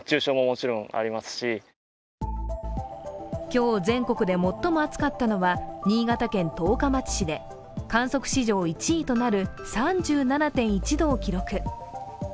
今日、全国で最も暑かったのは新潟県十日町市で観測史上１位となる３７．１度を記録。